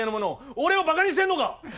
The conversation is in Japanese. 俺をばかにしてるのか！